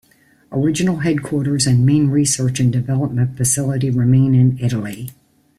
Original headquarters and main research and development facility remain in Italy.